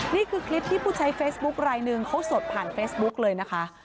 นี่คือคลิปที่ผู้ใช้เฟซบุ๊คไลนึงเขาสดผ่านเฟซบุ๊กเลยนะคะ